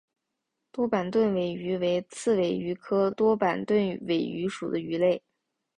多板盾尾鱼为刺尾鱼科多板盾尾鱼属的鱼类。